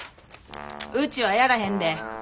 うちはやらへんで。